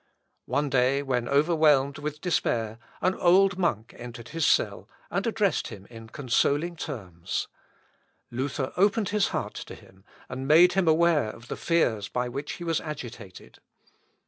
One day, when overwhelmed with despair, an old monk entered his cell, and addressed him in consoling terms. Luther opened his heart to him, and made him aware of the fears by which he was agitated.